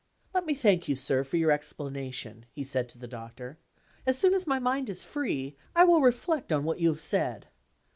"Let me thank you, sir, for your explanation," he said to the Doctor. "As soon as my mind is free, I will reflect on what you have said.